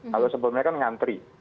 kalau sebelumnya kan ngantri